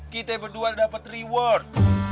kita berdua dapat reward